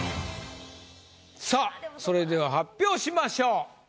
さぁそれでは発表しましょう。